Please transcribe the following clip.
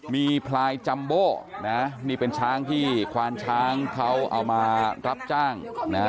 มีพลายจัมโบนะนี่เป็นช้างที่ควานช้างเขาเอามารับจ้าง